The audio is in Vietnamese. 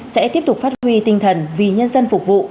sẽ tiếp tục phát huy tinh thần vì nhân dân phục vụ